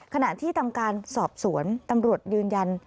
ขณะที่ทำการสอบสวนตำรวจยืนยัน